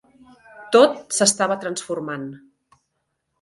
Tot s'estava transformant